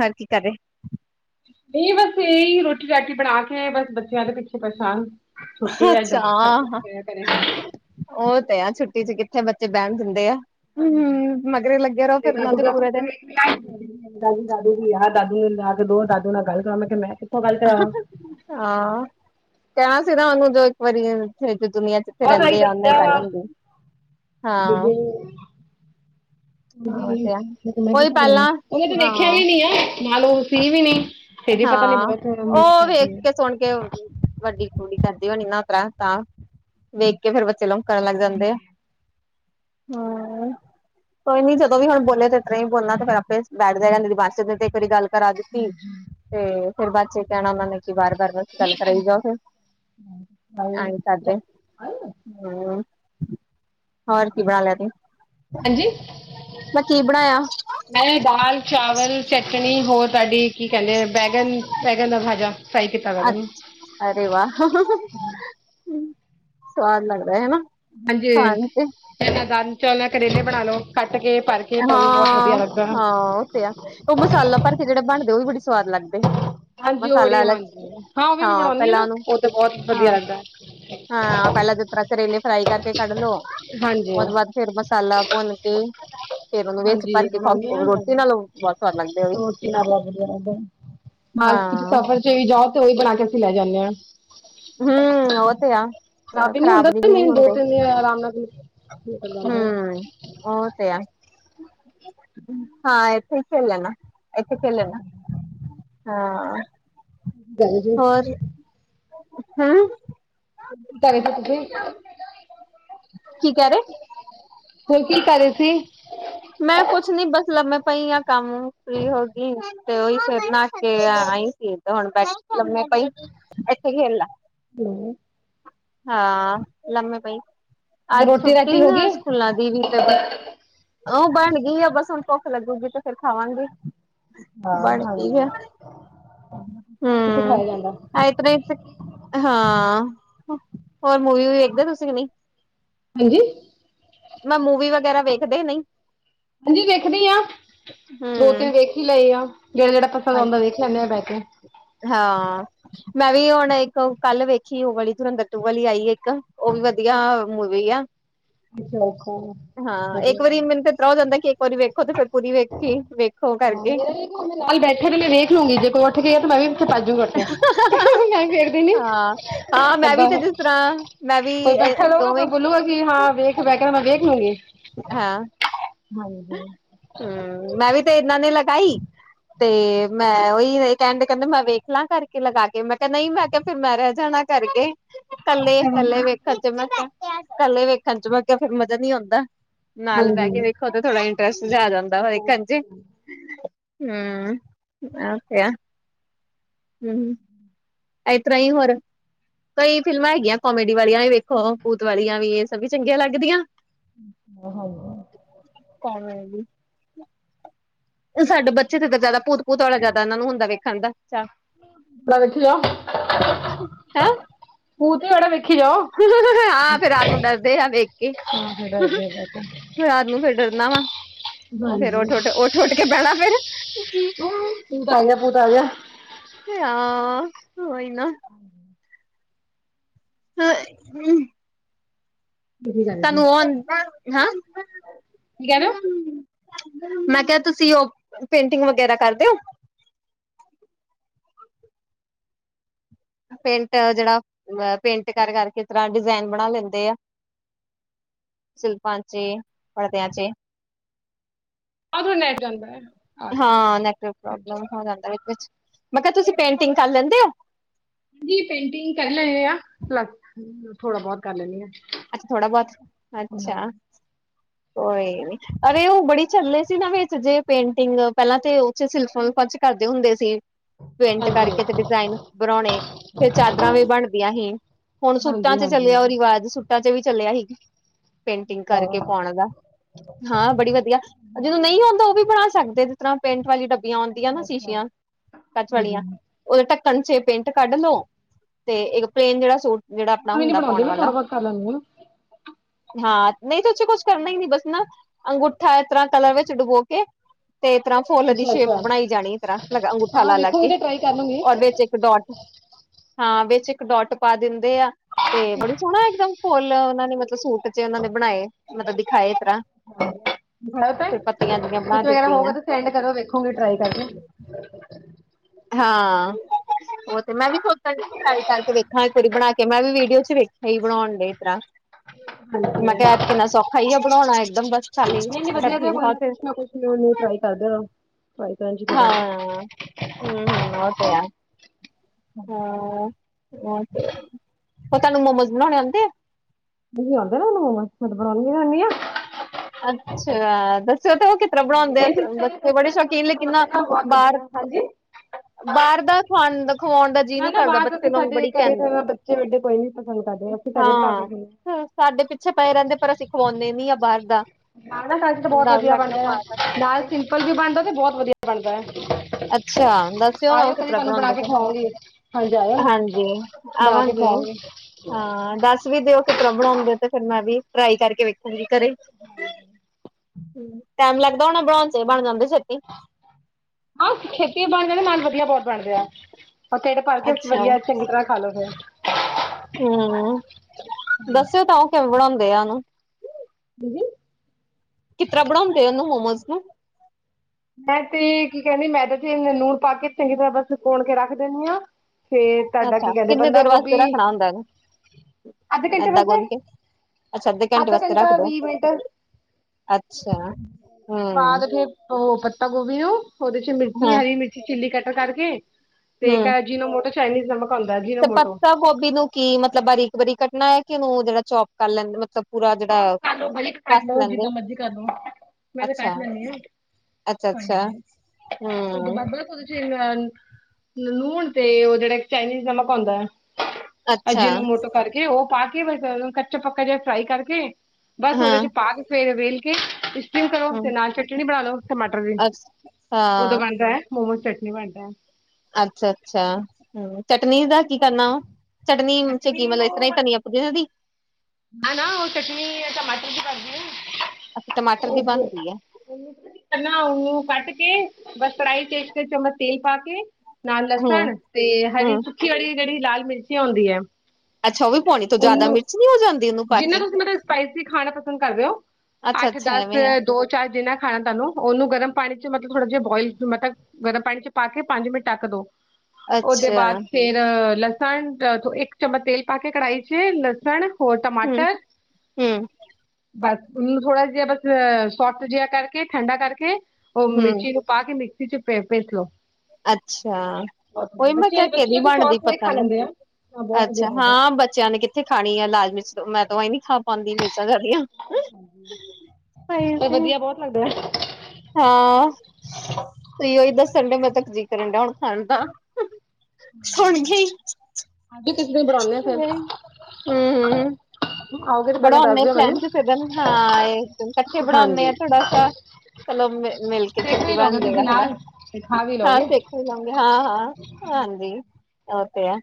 ਹਰ ਕੀ ਕਰਹੇ ਨਹੀਂ ਬਸ ਇਹੀ ਰੋਟੀ ਰਟੀ ਬਣਾ ਕੇ ਬਸ ਬੱਚਿਆਂ ਦੇ ਪਿੱਛੇ ਪਰੇਸਾਨ ਛੱਟੀ ਅੱਜ ਅੱਛਾ ਦਿਮਾਗ ਖਰਾਬ ਹਾਂ ਕਿੱਤਾ ਘਰੇ ਉਹ ਤੇ ਆ ਛੁੱਟੀ ਚ ਕਿੱਥੇ ਬੱਚੇ ਬਹਿਣ ਦਿੰਦੇ ਆ ਹਮ ਹਮ ਮਗਰ ਦਾਦੂ ਦਾ ਦਾਦੂ ਵੀ ਆ ਦਾਦੂ ਨਾਲ ਦੋ ਦਾਦੂ ਨਾਲ ਗੱਲ ਕਰਾਵਾਂਗੇ ਮੈਂ ਤੇ ਹਾਂ ਕ ਸੀ ਨਾ ਉਹਨੂੰ ਜੋ ਇੱਕ ਵਾਰੀ ਦੁਨੀਆਂ ਜਿੱਥੇ ਬਹੁਤ ਵਾਰੀ ਰਹਿੰਦੇ ਆ ਉਹਨਾਂ ਹੀ ਦਿੱਤਾ [unintelligible] ਗੱਲ ਹੁੰਦੀ। ਹਾਂ ਉਹ ਤੇ ਆ ਹਾਂਜੀ ਮੈਂ ਉਹੀ ਕਿਥ ਬਣਾ ਪਹਿਲਾਂ ਉਹਨ ਤੇ ਦੇਖਿਆ ਹਾਂ ਵੀ ਨੀ ਆ ਨਾਲ ਉਹ ਸੀ ਵੀ ਨੀ ਹਾਂ ਉਹ ਵੇਖ ਹੈ ਕੇ ਸੁਣ ਕੇ ਵੱਡੀ ਕੜੀ ਕਰਦੀ ਹੋਣੀ ਨਾ ਤ ਤਾਂ ਵੇਖ ਕੇ ਫਿਰ ਬੱਚੇ ਨੂੰ ਕਰਨ ਲੱਗ ਜਾਂਦੇ ਆ ਹਮ ਕੋਈ ਨੀ ਜਦੋਂ ਵੀ ਹੁਣ ਬੋਲੇ ਤੇ ਤਰ ਹੀ ਬੋਲਣਾ ਤੇ ਫਿਰ ਆਪੇ ਬੈਠਦੇ ਰਹਿੰਦੇ ਬਸਦੇ ਤੇ ਕਰੀ ਗੱਲ ਕਰਾ ਦਿੱਤੀ ਤੇ ਫਿਰ ਬਦ ਇਹ ਕਹਿਣਾ ਉਹਨਾਂ ਨੇ ਬਾਰ ਬਾਰ ਗੱਲ ਕਰਾਈ ਜਾਓ ਆ ਤਾਂ ਹਾਏ। ਹਮ ਹੋਰ ਕੀ ਬਣਾ ਲੈ ਤ ਹਾਂਜੀ ਬਣਾਇਆ ਮੈਂ ਦਾਲ ਚਾਵਲ ਚਟਣੀ ਹੋਰ ਤੁਹਾਡੀ ਕੀ ਕਹਿੰਦੇ ਬੈਗਨ ਬੈਗਨ ਦਾ ਭਾਜਾ ਫਰਾਈ ਕੀਤਾ ਵੈਗਨ ਅੱਛਾ ਅਰੇ ਵਾਹ ਹ ਸਵਾਦ ਲੱਗਦਾ ਹਨਾ ਹਾਂਜੀ ਖਾਣ ਤੇ ਇਹਨਾ ਦਾਲ ਚੌਲ ਕਰੇਲੇ ਬਣਾ ਲੋ ਹਾਂ ਹਾਂ ਉਹ ਤੇ ਆ ਉਹ ਮਸਾਲਾ ਭਰ ਕੇ ਜਿਹੜੇ ਬਣਦੇ ਉਹ ਵੀ ਬੜੀ ਸਵਾਦ ਲੱਗਦੀ [unintelligible] ਹਾਂਜੀ ੜੀ ਹਾਂਜੀ ਹਾਂ ਉਹ ਵੀ ਮੈਂ ਬਣਾਉਂਦੀ ਹਾਂ ਪਹਿਲਾਂ ਨਾ ਉਹਨੂੰ ਉਹ ਤੇ ਬਹੁਤ ਹਾਂ ਵਧੀਆ ਲੱਗਦਾ ਹਾਂ ਪਹਿਲਾਂ ਜਿਸ ਤਰ੍ਹਾਂ ਕਰੇਲੇ ਫਰਾਈ ਕਰਕੇ ਕੱਢ ਲੋੋ ਹਾਂਜੀ ਉਹ ਤੋਂ ਬਾਅਦ ਫਿਰ ਮਸਾਲਾ ਭੁੰਨ ਕੇ ਫੇਰ ਉਹਨੂੰ ਵਿੱਚ ਭਰ ਹਾਂਜੀ ਕੇ ਬਨਾਉਦੇ ਖਾਓ ਹਾਂ ਰੋਟੀ ਨਾਲ ਬਹੁਤ ਸਵਾਦ ਲੱਗਦੇ ਉਹ ਵੀ ਰੋਟੀ ਨਾਲ ਲੱਗਦੀ। ਮ ਹਾਂ ਸਫ਼ਰ ਚ ਵੀ ਜਾਓ ਤੇ ਉਹੀ ਬਣਾ ਕੇ ਅਸੀਂ ਲੈ ਜਾਂਦੇ ਹਾਂ। ਹਮ ਉਹ ਤੇ ਆ। ਚ ਖਰਾਬ ਵੀ ਨੀ ਹੁੰਦਾ ਖ਼ਰਾਬ ਦੀ ਨਾ ਵੀ ਨਹੀਂ ਮੇਨ ਦੋ ਹੁੰਦੇ ਤਿੰਨ ਦਿਨ ਆਰਾਮ ਨਾਲ ਨਿਕਲ ਜਾਂਦਾ ਹਮ ਉਹ ਤੇ ਆ। ਹਾਂ ਇਥੇ ਹੀ ਖੇਲ ਨਾ ਇਥੇ ਖੇਲ ਨਾ। ਹਾਂ। ਗੱਲ ਜਾ। ਹਮ। ਕੀ ਕਰ ਤੁਸੀਂ। ਕੀ ਕਹਿ ਰਹੇ ਹੋਰ ਕੀ ਕਰ ਰਹੇ ਸੀ। ਮੈਂ ਕੁਛ ਨੀ ਬਸ ਲਮੇ ਪਾਈ ਆ ਕੰਮ ਫਰੀ ਹੋ ਗਈ ਤੇ ਉਹੀ ਸੇਤ ਬਣਾ ਕੇ ਆ। ਹੀ ਸੀ ਤੇ ਹੁਣ ਬੈਠ ਲਮੇ ਪਈ ਇੱਥੇ ਖੇਲ ਲਾ। ਹੈਲੋ ਹਾਂ ਲੰਮੇ ਪਾਈ। ਅੱਜ ਰੋਟੀ ਛੁੱਟੀ ਰਾਟੀ ਹੋ ਗਈ ਨਾ ਸਕੂਲਾਂ ਦੀ ਵੀ ਤੇ ਬਸ। ਉਹ ਬਣ ਗਈ ਆ ਬਸ ਹੁਣ ਭੁੱਖ ਲੱਗੂਗੀ ਤੇ ਫਿਰ ਖਾਵਾਂਗੇ। ਹਾਂ ਹਾਂਜੀ। ਪਤਾ ਕਿੱਥੇ ਹਮ ਖਾਇਆ ਜਾਂਦਾ ਆ ਹਾਂ। ਹੋਰ ਮੂਵੀ ਵੀ ਵੇਖਦੇ ਤੁਸੀਂ ਵੀ। ਹਾਂਜੀ। ਮੈਂ ਮੂਵੀ ਵਗੈਰਾ ਵੇਖਦੇ ਨਹੀਂ। ਹਾਂਜੀ ਵੇਖਣੀ ਆ ਦੋ ਤਿੰਨ ਹੂੰ। ਵੇਖ ਹੀ ਲਏ ਆ। ਜਿਹੜਾ ਜਿਹੜਾ ਪੱਖਾ ਲਾਂਦਾ ਵੇਖ ਆਦੇ ਆ ਬਹਿ ਕੇ। ਹਾਂ ਮੈਂ ਵੀ ਹੁਣ ਇੱਕ ਕੱਲ ਵੇਖੀ ਉਹ ਵਾਲੀ ਦੁਰੰਦਰ ਟੂ ਉ ਵਾਲੀ ਆਈ ਹੈ। ਉਹ ਵੀ ਵਧੀਆ ਮੂਵੀ ਆ। ਅੱਛਾ ਅੱਛਾ ਹਾਂ ਇੱਕ ਵਧੀਆ ਵਾਰੀ ਫਿਰ ਮੈਨੂੰ ਤੇ ਤਰ ਹੋ ਜਾਂਦਾ ਕਿ ਇੱਕ ਵਾਰੀ ਵੇਖੋ ਤੇ ਫਿਰ ਪੂਰੀ ਵੇਖੀ ਵੇਖੋ। ਕਰਕੇ, ਮੇ ਨਾਲ ਬੈਠੇ ਨੇ ਮੈਂ ਵੇਖ ਲਉਗੀ ਜੇ ਕੋਈ ਉੱਠ ਕੇ ਤਾਂ ਮੈਂ ਵੀ। ਹਾਂ। ਹਾਂ ਮੈਂ ਵੀ ਤੇ ਜਿਸ ਤਰ੍ਹਾਂ, ਮੈਂ ਵੀ [unintelligible] ਬੈਠਾ ਰੂਗਾ ਕੋਈ ਦੋਵੇਂ ਬੋਲੂਗਾ ਕਿ ਹਾਂ ਵੇਖ ਬਹਿ ਕੇਣਾ ਮੈਂ ਵੇਖ ਲੂੰਗੀ। ਹਾਂ ਹਾਂਜੀ ਹਮ ਮੈਂ ਵੀ ਤੇ ਇਨਾ ਨੇ ਲਗਾਈ। ਤੇ ਮੈਂ ਉਹੀ ਕਹਿੰਦੇ ਕਹਿੰਦੇ ਮੈਂ ਵੇਖ ਲਾਂ ਕਰਕੇ ਲਗਾ ਕੇ ਮੈਂ ਕਿਹਾ ਨਹੀਂ ਮੈਂ ਕਿਹਾ ਫਿਰ ਮੈਂ ਰਹਿ ਜਾਣਾ। ਕਰ ਕੇ ਕੱਲੇ ਕੱਲੇ ਵੇਖਣ ਚ ਮੈਂ ਕਿਹਾ ਕੱਲੇ ਵੇਖਣ ਚ ਮੈਂ ਕਿਹਾ ਫੇਰ ਮਜ਼ਾ ਨਹੀਂ ਆਉਂਦਾ। ਨਾਲ ਬਹਿ ਕੇ ਹਾਂਜੀ ਵੇਖੋ ਤੇ ਥੋੜਾ ਇੰਟਰਸਟ ਜਾ ਜਾਂਦਾ ਵ ਦੇਖਣ ਚ ਹਮ ਓਕਿਆ ਹਮ। ਇਸ ਤਰ੍ਹਾਂ ਹੀ ਹੋਰ। ਕਈ ਫਿਲਮਾਂ ਹੈਗੀਆਂ ਕੋਮੇਡੀ ਵਾਲੀਆਂ ਵੀ ਵੇਖੋ ਭੂਤ ਵਾਲੀਆਂ ਵੀ ਇਹ ਸਭ ਵੀ ਚੰਗੀਆਂ ਲੱਗਦੀਆਂ। ਹਾਂ। ਕਾਮੇਡੀ ਸਾਡੇ ਬੱਚੇ ਤੇਦ ਜਿਆਦਾ ਭੂਤ ਭੂਤ ਵਾਲਾ ਜ਼ਿਆਦਾ ਇਹਨਾਂ ਨੂੰ ਹੁੰਦਾ ਵੇਖਣ ਦਾ। ਅੱਛਾ ਕਪੜਾ ਵੇਖੀ ਜਾਓ ਤੂ ਤੇ ਬੜਾ ਵੇਖੀ ਜਾਓ। ਫ ਹਾਂ ਫਿਰ ਰਾਤ ਨੂੰ ਡਰਦੇ ਆ ਵੇਖ ਕੇ ਹਾਂ ਫਿਰ ਫ ਰਾਤ ਨੂੰ ਫੇਿਰ ਡਰਨਾ ਵਾ। ਉਹ ਫੇਰ ਹਾਂਜੀ ਉਹਠ ਉਠ ਉਠ ਉੱਠ ਕੇ ਬੈਣਾ ਫਿਰ। ਭੁਤ ਆ ਗਿਆ ਭੁਤ ਆ ਗਿਆ। ਹਾਂ ਉ ਇ ਨਾ। [unintelligible] ਠੀਕ ਆ ਸਾਨੂੰ ਫਿਰ ਉਹ। ਕੀ ਕਹਿ ਰਹੇ ਹੋ ਮੈਂ ਕਿਹਾ ਤੁਸੀਂ ਉਹ ਪੇਂਟਿੰਗ ਵਗੈਰਾ ਕਰਦੇ ਹੋ। ਪੇਂਟ ਜਿਹੜਾ ਪੇਂਟ ਕਰ ਕਰਕੇ ਇਸ ਤਰ੍ਹਾਂ ਡਿਜਾਇਨ ਬਣਾ ਲੈਂਦੇ ਆ। ਸ਼ਿਲਪਾਂ ਚ ਪੜ੍ਹਦਿਆਂ ਚ। [unintelligible] ਜਾਂਦਾ ਹੈ ਆ ਗਿਆ ਹਾਂ ਨੈਟ ਨੈੱਟਵਰਕ ਪ੍ਰੌਬਲਮ ਹਾਂਜੀ ਹੋ ਜਾਂਦਾ ਹੈ ਵਿੱਚ ਵਿੱਚ, ਮੈਂ ਕਿਹਾ ਤੁਸੀਂ ਪੇਂਟਿੰਗ ਕਰ ਲੈਂਦੇ ਹੋ। ਹਾਂਜੀ! ਪੇਂਟਿੰਗ ਕਰ ਲੈਂਦੇ ਆ। ਪਲੱਸ ਥੋੜਾ ਬਹੁਤ ਕਰ ਲੈਂਣੀ ਹਾਂ। ਅੱਛਾ! ਥੋੜਾ ਬਹੁਤ ਅੱਛਾ! ਕੋਈ ਨੀ। ਅਰੇ ਉਹ ਬੜੀ ਚੱਲੇ ਸੀ ਨਾ ਵਿਚ ਜੇ! ਪੇਂਟਿੰਗ ਪਹਿਲਾਂ ਤੇ ਉਥੇ ਸਿਲਫ ਪਚ ਕਰਦੇ ਹੁੰਦੇ ਸੀ। ਪੈਂਟ ਹਾਂਜੀ ਕਰਕੇ ਤੇ ਡਿਜ਼ਾਇਨ ਬਣਾਉਣੇ ਫਿਰ ਚਾਦਰਾਂ ਵੀ ਬਣਦੀਆਂ ਹੀ। ਹੁਣ ਸੂੱਟਾਂ ਹਾਂਜੀ ਚ ਹਾਂਜੀ ਚੱਲਿਆ ਉਹ ਰਿਵਾਜ਼। ਸੂੱਟਾਂ ਚ ਵੀ ਚੱਲਿਆ ਸੀ। ਪੇਂਟਿੰਗ ਕਰਕੇ ਪਾਉਣ ਦਾ। ਹਾਂ! ਬੜੀ ਵਧੀਆ। ਜਿਨੂੰ ਨਹੀਂ ਆਉਂਦਾ, ਉਹ ਵੀ ਬਣਾ ਸਕਦੇ। ਤਾਂ ਪੇਂਟ ਵਾਲੀ ਡੱਬੀਆਂ ਆਉਂਦੀਆਂ ਨਾ! ਸ਼ੀਸ਼ੀਆਂ! ਕੱਚ ਵਾਲੀਆਂ! ਉਹਦੇ ਡ ਕਣ ਚੇ ਪੈਂਟ ਕੱਢ ਲੋ। ਤੇ ਇੱਕ ਪਲੇਨ ਜਿਹੜਾ ਸੂਟ ਜਿਹੜਾ ਆਪਣਾ ਮੈਂ ਨਹੀਂ ਹੁੰਦਾ ਬਣਾਉਂਦੀ ਪਾਉਣ ਮੈਂ ਥੋੜਾ ਵਾਲਾ। ਬਹੁਤ ਕਰ ਲੈਂਦੀ ਹਾਂ ਹਾਂ! ਨਹੀਂ ਤਾਂ! ਉੇ ਕੁਛ ਕਰਨਾ ਹੀ ਨੀ। ਬਸ ਨਾ! ਅੰਗੂਠਾ ਇਸ ਤਰ੍ਹਾਂ ਕਲਰ ਵਿੱਚ ਡੁਬੋ ਕੇ ਤੇ ਇਸ ਤਰ੍ਹਾਂ ਫੁੱਲ ਦੀ ਅੱਛਾ ਸ਼ੇਪ ਅੱਛਾ ਬਣਾਈ ਜਾਣੀ ਇਸ ਤਰ੍ਹਾਂ ਲ ਅੰਗੂਠਾ ਹਾਂ ਲਾ ਲਾ ਵੇਖੂਗੀ ਕੇ। ਤੇ ਟਰਾਈ ਕਰ ਲੂੰਗੀ ਔਰ ਵਿੱਚ ਇੱਕ ਡੋਟ! ਹਾਂ ਵਿੱਚ ਡੋਟ ਪਾ ਦਿੰਦੇ ਆ। ਤੇ ਬੜੀ ਸੋਹਣਾ ਇੱਕਦਮ ਫੁੱਲ ਉਹਨਾਂ ਨੇ ਮਤਲਬ ਸੂਟ ਚ ਉਹਨਾਂ ਨੇ ਬਣਾਏ। ਮਤਲਬ ਦਿਖਾਏ। ਤਰ੍ਹਾਂ ਹਾਂ! ਫਿਰ ਪੱਤੀਆਂ ਜਿਹੀਆਂ ਬਣਾ ਇਕ ਵਗੈਰਾ ਹੋ ਦਿੱਤੀਆਂ ਸੈਂਡ ਕਰੋ ਵੇਖੋਗੇ ਟਰਾਈ ਕਰਕੇ। ਹਾਂ ਉਹ ਤੇ ਮੈਂ ਵੀ ਸੋਚਿਆ ਸੀ ਟ੍ਰਾਈ ਕਰਕੇ ਵੇਖਾਂ ਫਿਰ ਬਣਾ ਕੇ ਮੈਂ ਵੀਡੀਓ ਚ ਬ। ਇਈ ਬਣਾਉਣਡੇ ਇ ਤ ਹਾਂਜੀ ਤੇ ਮੈਂ ਕਿਹਾ ਏ ਤਾਂ ਕਿੰਨਾ ਸੌਖਾ ਆ ਬਣਾਉਣਾ, ਇੱਕਦਮ ਬਸ ਖਾਲੀ ਨਹੀਂ ਨਹੀਂ ਵਧੀਆ ਡੱਬੀ ਤੇ ਕੋਈ ਨਾ ਕੁਛ ਨਾ ਕੁਛ ਨੂੰ ਟਰਾਈ ਕਰਦੇ ਰਹੋ [unintelligible] ਹਮ! ਹਮ! ਓ ਤੇ ਹੈ। ਹਮ ਹੋ ਤੁਹਾਨੂੰ ਮੋਮੋਜ਼ ਬਣਾਉਣੇ ਆਉਂਦੇ ਆ? ਆਉਂਦੇ ਆ ਮੋਮੋਜ਼? ਮੈ ਬਣਾਉਣੀ ਰਹਿਨੀ ਹਾਂ ਅੱਛਾ ਦੱਸਿਓ ਤੇ ਉਹ ਕਿਸ ਤਰ੍ਹਾਂ ਹਾਂਜੀ! ਬਣਾਉਂਦੇ ਆ ਮੇਰੇ ਸਿਸਟਰ ਨੇ ਬੱਚੇ ਬੜੇ ਦੱਸਿਆ ਸੀ ਸ਼ੌਕੀਨ ਓਥੇ ਲੇਕਿਨ ਬਣਾਉਂਦੇ ਨਾ ਨੇ ਬਹੁਤ ਬਾਹਰ ਵਧੀਆ ਹਾਂਜੀ ਬਾਹਰ ਦਾ ਖਾਣ ਦਾ ਖਵਾਉਣ ਦਾ ਜੀਅ ਮੈ ਨੀ ਨ ਕਰਦਾ ਬਾਹਰ ਆ! ਬੱਚੇ ਤਾਂ ਨੂੰ ਸਾਡੇ ਬੜੀ ਘਰੇ ਕਹਿੰਦੇ ਬੱਚੇ ਵੱਡੇ ਕੋਈ ਨੀ। ਕਰਦੇ ਅਸੀਂ ਘਰੇ ਬਣਾ ਕੇ ਹਾਂ। ਪੀਂਦੇ ਅ ਸਾਡੇ ਪਿੱਛੇ ਪਏ ਰਹਿੰਦੇ ਪਰ ਅਸੀਂ ਖਵਾਉਂਦੇ ਨੀ ਆ ਬਾਹਰ ਦਾ। ਨਾਲ ਦਾ ਘਰ ਤਾਂ ਬਹੁਤ ਡਰ ਵਧੀਆ ਲੱਗਦਾ ਬਣਦਾ ਆ, ਬਾਹਰ ਦਾ ਖਾਣ ਨਾਲ ਚ ਸਿੰਪਲ ਵੀ ਬਣਦਾ ਤੇ ਬਹੁਤ ਵਧੀਆ ਵੀ ਬਣਦਾ। ਹੈ ਅੱਛਾ! ਦੱਸਿਓ ਨਾ ਉਹ ਆਇਓ ਕਿਸ ਕਦੀ ਤਰ੍ਹਾਂ ਤੁਹਾਨੂੰ ਬਣਾ ਬਣਾਉਂਦੇ? ਕੇ ਫਿਰ ਖਵਾਉਂਗੀ ਹਾਂਜੀ ਆਇਓ ਨਾ ਹਾਂਜੀ ਬਣਾ ਕੇ ਆਵਾਂਗੇ। ਖਵਾਉਂਗੀ ਹਾਂ! ਦੱਸ ਵੀ ਦਿਓ ਕਿ ਬਣਾਉਂਦੇ। ਤੇ ਫਿਰ ਮੈਂ ਵੀ ਟਰਾਈ ਕਰਕੇ ਵੇਖਾਂਗੀ ਘਰੇ। ਟਾਈਮ ਲੱਗਦਾ ਹੋਣਾ ਬਣਾਉਣ ਚ। ਬਣ ਜਾਂਦੀ ਛੇਤੀ? ਹਾਂ! ਛੇਤੀ ਬਣ ਜਾਦੀ ਆ ਨਾਲੇ ਵਧੀਆ ਬਹੁਤ ਬਨਦੀ ਆ। ਉਹਰ ਕਿਹੜੇ ਪਾਲ ਕੇਸੀਂ ਅੱਛਾ ਵਧੀਆ ਚੰਗੀ ਤਰ੍ਹਾਂ ਖਾ ਲੋ ਫੇਿਰ। ਹਮ! ਦੱਸਿਓ ਤਾਂ! ਉਹ ਕਿਵੇਂ ਬਣਾਉਂਦੇ ਆ ਉਹਨੂੰ? ਕੀ? ਕਿ ਤਰ੍ਹਾਂ ਬਣਾਉਂਦੇ? ਉਹ ਨੂੰ ਮਮੋਸ ਨੂੰ? ਮੈਂ ਤੇ ਕੀ ਕਹਿੰਦੀ! ਮੈਂ ਤੇ ਲੂਣ ਪਾ ਕੇ ਚੰਗੀ ਤਰ੍ਹਾਂ ਸਕੁੜ ਕੇ ਰੱਖ ਦਿੰਦੀ ਆਂ। ਫੇਰ! ਤੁਹਾਡਾ ਕੀ ਅੱਛਾ ਕਹਿੰਦੇ ਕਿੰਨੇ ਬੰਦਾ ਦੇਰ ਵਾਸਤੇ ਗੋਭੀ ਰੱਖਣਾ ਹੁੰਦਾ ਇਹਨੂੰ ਅੱਧ ਘੰਟੇ ਏਦਾਂ ਬਸ? ਗੁੰਨ ਕੇ ਅੱਛਾ ਅੱਧੇ ਘੰਟੇ ਅੱਧਾ ਵਾਸਤੇ ਰੱਖ ਘੰਟਾ ਦੋ ਵੀਹ ਮਿੰਟ। ਅੱਛਾ ਹੂੰ ਬਾਅਦ ਫੇਰ ਉਹ ਪੱਤਾ ਗੋਭੀ ਨੂੰ! ਉਹ ਉਹਦੇ ਚ ਮਿਰਚੀ, ਹਾਂ ਹਰੀ ਮਿਰਚ, ਚਿੱਲੀ ਕਟਰ ਕਰਕੇ ਤੇ ਇੱਕ ਹੂੰ ਜੀਨੂ ਮੋਟਾ ਚਾਈਨੀਜ਼ ਨਮਕ ਆਉਂਦਾ ਜੀਨੋ ਤੇ ਮੋਟੋ ਪੱਤਾ ਗੋਬੀ ਨੂੰ ਕੀ! ਮਤਲਬ ਬਾਰੀਕ ਬਾਰੀਕ ਕਟਨਾ ਹੈ। ਕਿ ਉਹਨੂੰ ਜਿਹੜਾ ਚੌਪ ਕਰ ਲੈਣਾ ਬ ਕਰ ਲੋ ਕੱਟ ਲਓ ਲੈਂਦੇ ਜਿੱਦਾਂ ਮਰਜੀ ਕਰ ਲੋ ਮੈਂ ਤੇ ਅੱਛਾ ਕੱਟ ਲੈਂਦੀ ਹਾਂ ਅੱਛਾ ਅੱਛਾ ਹਾਂਜੀ! ਓਦੇ ਹੂੰ ਬਾਅਦ ਪਤਾ ਅ ਲੂਣ ਤੇ ਉਹ ਜਿਹੜੇ ਚਾਈਨੀਜ਼ ਨਮਕ ਆਉਂਦਾ ਹੈ। ਅੱਛਾ ਅਜਿਨੋ ਮੋਟੋ ਕਰਕੇ। ਉਹ ਪਾ ਕੇ ਤੇ ਕੱਚਾ ਪੱਕਾ ਜਿਹਾ ਫਰਾਈ ਕਰਕੇ ਬਸ ਉਹਦੇ ਹਾਂ ਚ ਪਾ ਕੇ ਫੇਰ ਵੈਲ ਕੇ। [unintelligible] ਕਰੋ ਤੇ ਹੂੰ ਨਾਲ ਚਟਨੀ ਬਣਾ ਲੋ ਟਮਾਟਰ ਦੀ, ਅਛ ਉਦੋਂ ਹਾਂ ਬਣਦਾ ਹੈ। ਮੋਮੋ ਚਟਨੀ ਬਣਦਾ ਹੈ। ਅੱਛਾ ਅੱਛਾ ਹਮ ਚਟਨੀ ਦਾ ਕੀ ਹੈ ਕਰਨਾ ਵ ਚਟਨੀ ਚ ਕੀ ਮਤਲਬ ਇਸ ਤਰਾਂ ਹੀ ਧਨੀਆ ਪੁੱਜਦੀ ਹਨਾ ਉਹ ਚਟਨੀ ਟਮਾਟਰ ਵੀ ਕਰਦੀ ਅੱਛਾ ਹੈ ਟਮਾਟਰ [unintelligible] ਦੀ ਬਣਦੀ ਹੈ ਉਹਨੂੰ ਕਟ ਬਸ ਕਡਾਹੀ ਤੇ ਇੱਕ ਚਮਚ ਤੇਲ ਪਾ ਕੇ ਨਾਲ ਹੂੰ ਲਸਣ ਤੇ ਹਰੀ ਹੂੰ ਸੁੱਕੀ ਵਾਲੀ ਜਿਹੜੀ ਲਾਲ ਮਿਰਚੀ ਆਉਂਦੀ ਹੈ ਅੱਛਾ ਉਹ ਵੀ ਪਾਉਣੀ ਤੋਂ ਜ਼ਿਆਦਾ ਮਿਰਚ ਨੀ ਹੋ ਜਾ ਜਿ ਨਾ ਤੁਸੀ ਸਪੈਸੀ ਖਾਣਾ ਪਸੰਦ ਕਰਦੇ ਹੋ ਅੱਛਾ ਅੱਠ ਅੱਛਾ ਦਸ ਐਵੇਂ ਹੈ ਦੋ ਚਾਰ ਦਿਨਾਂ ਖਾਣਾ ਤੁਹਾਨੂੰ ਉਹਨੂੰ ਗਰਮ ਪਾਣੀ ਚ ਮਤਲਬ ਥੋੜ੍ਹਾ ਜਿਹਾ ਬੋਇਲ ਮਤਲਬ ਗਰਮ ਪਾਣੀ ਚ ਪਾ ਕੇ ਪੰਜ ਮਿੰਟ ਟੱਕ ਦੋ ਉਹਦੇ ਅੱਛਾ ਬਾਅਦ ਫੇਰ ਲ ਲਸਣ ਇੱਕ ਚਮਚ ਤੇਲ ਪਾ ਕੇ ਕਢਾਈ ਸੀ ਲਸਣ ਹੋਰ ਹੂੰ ਟਮਾਟਰ ਹੂੰ ਬਸ ਉਹਨੂੰ ਥੋੜ੍ਹਾ ਜਿਹਾ ਬਸ ਸੋਫਟ ਜਿਹਾ ਕਰਕੇ ਠੰਡਾ ਕਰਕੇ ਉਹ ਹੂੰ ਮਿਰਚੀ ਨੂੰ ਪਾ ਕੇ ਮਿਕਸੀ ਚ ਪੇਸ ਲੋੋ ਅੱਛਾ ਉਹੀ ਮੈਂ ਕਿਆ ਬੱਚੇ ਕਦੀ ਬੱਚੇ ਕੋਈ ਬਣਦੀ ਸੌਸ ਨਾਲ ਹੀ ਪਤਾ ਖਾ ਨੀ ਲੈਂਦੇ ਆ ਹਾਂ ਬਹੁਤ ਵਧੀਆ ਅੱਛਾ ਹਾਂ ਲੱਗਦਾ ਬੱਚਿਆਂ ਨੇ ਕਿੱਥੇ ਖਾਣੀ ਆ ਲਾਲ ਮਿਰਚ ਮੈਂ ਤਾਂ ਨੀ ਖਾ ਪਾਉਂਦੀ ਮਿਰਚ [unintelligible] ਪਰ ਵਧੀਆ ਬਹੁਤ ਲੱਗਦਾ ਹੈ ਹਾਂ ਤੁਸੀ ਉਹੀ ਦੱਸਣ ਡੇ ਮੈਂ ਤਆਂ ਜੀਅ ਕਰਨ ਡਿਆ ਹੁਣ ਖਾਣ ਦਾ ਹਣ ਕੀ ਅੱਜ ਹੀ ਕਿਸੇ ਦਿਨ ਬਣਾਉਂਦੇ ਆ ਹਮ ਫਿਰ ਹਮ ਹਮ ਆਓਗੇ ਤਾਂ ਪਹਿਲਾਂ ਦੱਸ ਬਣਾਉਂਦੇ ਦਿਓ ਫੈਂ ਮੈਨੂੰ ਹਾਂਮ ਇਕੱਠੇ ਬਣਾਉਂਦੇ ਆ ਹਾਂਜੀ ਥੋੜਾ ਸ ਚਲੋ ਮ ਮਿਲ ਕੇ ਸਿੱਖ ਛੁਟੀ ਵੀ ਬਣ ਲੋਗੇ ਤੁਸੀਂ ਜਾਏਗਾ ਥੋੜਾ ਨਾਲ ਤੇ ਖਾ ਵੀ ਹਾਂ ਲੋਗੇ ਸਿੱਖ ਹੀ ਜਾਉਗੇ ਹਾਂ ਹਾਂ ਹਾਂਜੀ ਉਹ ਤੇ ਆ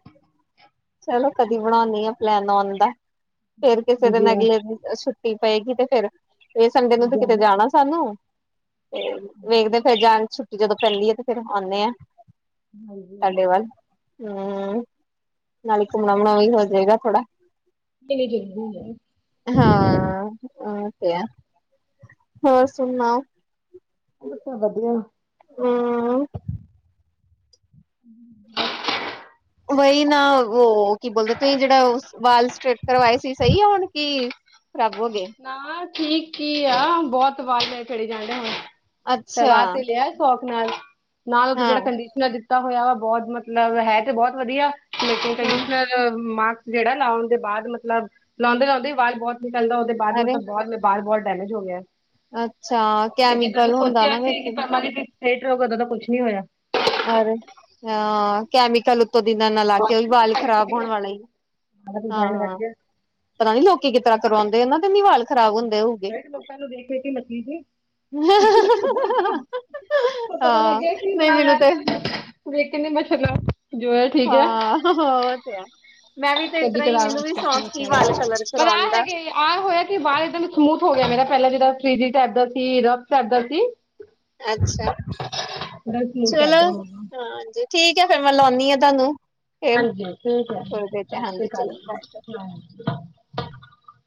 ਚਲੋ ਕਦੀ ਬਣਾਉਂਦੀ ਆ ਪਲੈਨ ਆਉਣ ਦਾ ਫੇਰ ਕਿਸੇ ਹਾਂਜੀ ਦਿਨ ਅਗਲੇ ਦਿਨ। ਛੁੱਟੀ ਪਏਗੀ ਤੇ ਫਿਰ ਇਹ ਸੰਡੇ ਨੂੰ ਤੇ ਕਿਤੇ ਹਾਂਜੀ ਜਾਣਾ ਸਾਨੂੰ ਤੇ ਵੇਖਦੇ ਫਿਰ ਜਾਣ ਛੁੱਟੀ ਜਦੋਂ ਪੈਂਦੀ ਆ ਤੇ ਫੇਰ ਆਉਂਦੇ ਆ। ਹਾਂਜੀ, ਹੂੰ ਨਾਲੇ ਘੁੰਮਣਾ ਵੀ ਹੋ ਜਾਏਗਾ ਥੋੜਾ। ਹਾਂ, ਹੋਰ ਸੁਣਾਓ? ਅੱਛਾ ਵਧੀਆ, ਹੂੰ, ਹ ਵਹੀ ਨਾ ਉਹ ਕੀ ਬੋਲਦੇ ਤੁਸੀਂ ਜਿਹੜਾ ਵਾਲ ਸਟੇਟ ਕਰਵਾਏ ਸੀ, ਸਹੀ ਆ ਹੁਣ ਕੀ। ਖਰਾਬ ਹੋਗੇ। ਨਾ ਠੀਕ ਹੀ ਆ, ਬਹੁਤ ਵਾਦ ਚਲੇ ਜਾਣਦੇ ਹੁਣ ਤੇ ਅੱਛਾ ਬਾਦ ਤੇ ਲਿਆ ਸ ਨਾਲ, ਹਾਂ ਲੇਕਿਨ ਹਾਂ ਟਰਾਡਿਸਲ ਮਾਸਕ, ਜਿਹੜਾ ਲਾਣ ਦੇ ਬਾਅਦ ਮਤਲਬ ਲਾਦੇ-ਲਾਦੇ ਆਵਾਜ਼ ਬਹੁਤ ਨਿਕਲਦਾ। ਉਹਦੇ ਬਾਅਦ ਅਰੇ ਮਤਲਬ ਬਹੁਤ ਬਾਲ ਬਹੁਤ ਡੈਮੇਜ ਹੋ ਗਿਆ ਅੱਛਾ ਤੇ ਜਿੱਦਾਂ ਕੈਮੀਕਲ ਹੁੰਦਾ ਸੋਚਿਆ ਨਾ ਸੀ, ਕਿ ਵਿੱਚ ਪਵਾਂਗੇ ਲੇਟ ਰਹਗਾ ਉਦੋਂ ਦਾ ਕੁਛ ਨੀ ਹੋਇਆ। ਅਰੇ ਹ ਕੈਮਿਕਲ, ਦਿਨਾਂ ਨਾਲ ਲਾ ਕੇ ਉਹ ਵੀ ਵਾਲ ਸਾਰਾ ਖ਼ਰਾਬ ਹੋਣ ਵਾਲੇ ਕੁਝ ਆ ਹਾਂ ਬੈਂਡ ਵੱਜ ਹਾਂ, ਗਿਆ ਪਤਾ ਨੀ ਲੋਕ ਕਿਤਰ੍ਹਾਂ ਕਰਵਾਦੇ ਆ ਇਹਨਾਂ ਦੇ ਨੀ ਵਾਲ ਖਰਾਬ ਹੁੰਦੇ ਹੋਊਗੇ। ਮੈਂ ਕਿਹਾ ਲੋਕਾਂ ਨੂੰ ਦੇਖ ਦੇਖ ਕੇ ਨੱਚੀ ਸੀ ਉਹ ਪਤਾ ਹਾਂ ਨਹੀਂ ਮੈਨੂੰ ਤੇ, ਕਿੰਨੇ ਮਛਰ ਲ ਜੋ, ਹੈ ਠੀਕ ਹੈ ਹਾਂ, ਉਹ ਤੇ ਹੈ ਮੈਂ ਵੀ ਤੇ, ਦੀ ਇਸ ਕਦੀ ਤਰ੍ਹਾਂ ਹੀ ਕਦਾਰ ਮੈਨੂੰ ਵੀ ਸ਼ੌਕ ਸੀ ਵਾਲ ਕਲਰ ਪਰ ਕਰਾਉਣ ਆਹ ਦਾ ਹੈਗੇ, ਆਹ ਹੋਇਆ ਕਿ ਬਾਹਰ ਦਾਂ ਸਮੂਥ ਹੋ ਗਿਆ ਮੇਰਾ, ਪਹਿਲਾਂ ਜਿਹੜਾ ਫ੍ਰਿਜੀ ਚਪਦਾ ਸੀ, ਰਬ ਚਲਦਾ ਸੀ। ਅੱਛਾ ਇੱਕਦਮ ਸਮੂਥ ਟਾਈਪ ਚਲੋ ਦਾ ਹੋ ਗਿਆ ਹਾਂਜੀ ਠੀਕ ਹੈ, ਫੇਰ ਮੈਂ ਲਾਉਂਨੀ ਆ ਮੈ ਤੁਹਾਨੂੰ। ਫੇਰ ਹਾਂਜੀ ਠੀਕ ਹੈ, ਥੋੜੀ ਦੇਰ ਸਤਿ ਚ ਸ੍ਰੀ ਹਾਂਜੀ ਅਕਾਲ ਚਲੋ ਬਾਏ ਜੀ।